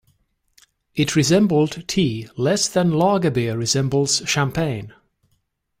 It resembled tea less than lager beer resembles champagne.